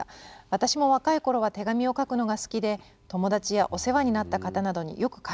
「私も若い頃は手紙を書くのが好きで友達やお世話になった方などによく書いていました。